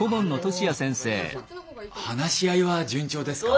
あの話し合いは順調ですか？